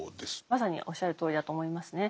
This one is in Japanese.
まさにおっしゃるとおりだと思いますね。